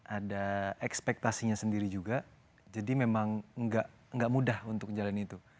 ada ekspektasinya sendiri juga jadi memang nggak mudah untuk jalan itu